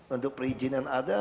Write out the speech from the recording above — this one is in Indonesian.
untuk perizinan ada